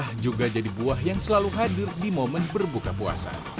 buah juga jadi buah yang selalu hadir di momen berbuka puasa